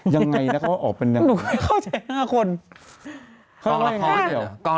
หนูไม่เข้าใจ๕คน